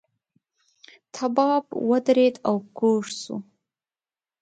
تواب ودرېد او کوږ شو.